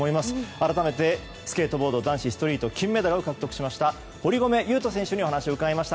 改めて、スケートボード男子ストリート金メダルを獲得しました堀米雄斗選手にお話を伺いました。